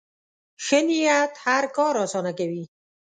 ښه نیت هر کار اسانه کوي.